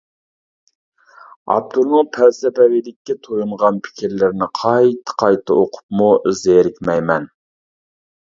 ئاپتورنىڭ پەلسەپىۋىلىككە تويۇنغان پىكىرلىرىنى قايتا-قايتا ئوقۇپمۇ زېرىكمەيمەن.